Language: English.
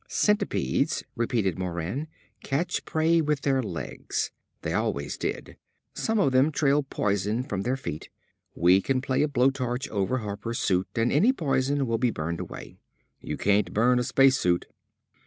"Centipedes," repeated Moran, "catch prey with their legs. They always did. Some of them trail poison from their feet. We can play a blowtorch over Harper's suit and any poison will be burned away. You can't burn a space suit!"